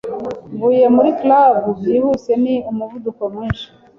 Mvuye muri club byihuse ni umuvuduko mwinshi